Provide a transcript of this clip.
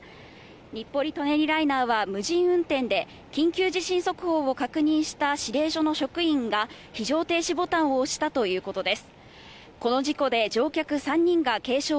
日暮里・舎人ライナーは無人運転で緊急地震速報を確認した司令所の職員が非常停止ボタンを押したということです。